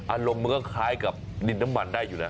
อารมณ์มันก็คล้ายกับดินน้ำมันได้อยู่แล้ว